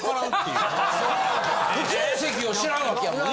普通席を知らんわけやもんな。